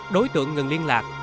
đối tượng ngừng liên lạc